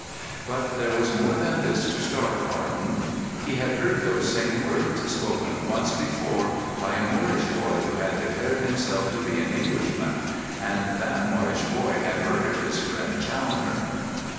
But there was more than this to startle Arden. He had heard those same words spoken once before, by a Moorish boy who had declared himself to be an Englishman, and that Moorish boy had murdered his friend Challoner.